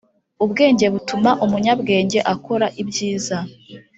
ubwenge butuma umunyabwenge akora ibyiza.